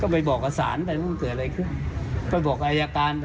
ประธรรม